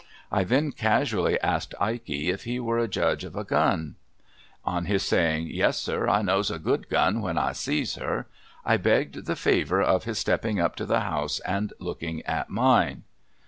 I then casually asked Ikey if he Avere a judge of a gun ? On his saying, ' Yes, sir, I knoAvs a good gun Avhen I sees her,' I begged the favour of his stepping up to the house and looking at mine.